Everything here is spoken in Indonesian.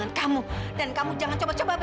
kalau kami di bagian itu saya terus akan melambang